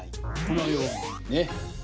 このようにね。